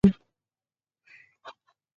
ورزش د ټولنې مثبت انځور وړاندې کوي.